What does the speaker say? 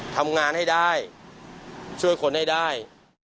ทำงานให้ได้ช่วยคนให้ได้